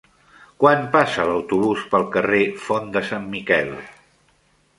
Quan passa l'autobús pel carrer Font de Sant Miquel?